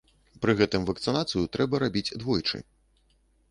Пры гэтым вакцынацыю трэба рабіць двойчы.